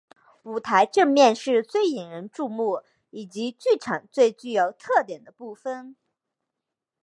舞台正面是最引人注目以及剧场最具有特点的部分。